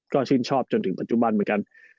ก็ชื่นชอบจนถึงปัจจุบันเหมือนกัน